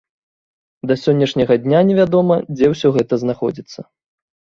Да сённяшняга дня невядома, дзе ўсё гэта знаходзіцца.